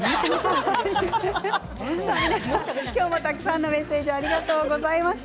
今日もたくさんのメッセージありがとうございました。